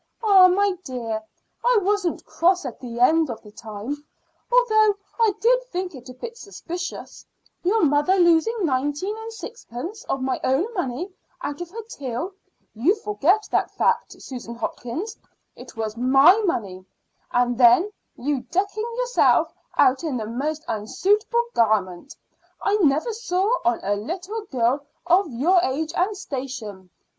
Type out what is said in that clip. "Ah, my dear, I wasn't cross at the end of the time, although I did think it a bit suspicious: your mother losing nineteen and sixpence of my own money out of her till you forget that fact, Susan Hopkins; it was my money and then you decking yourself out in the most unsuitable garment I ever saw on a little girl of your age and station.